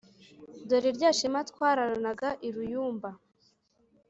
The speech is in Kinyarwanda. Dore rya shema twararanaga i Ruyumba